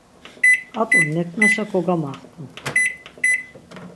Ǩat̆u neǩnaşa kogamaxtu.